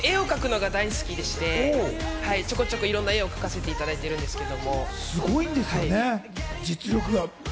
僕は絵を描くのが大好きで、ちょこちょこいろんな絵を描かせていただいてるんですけど。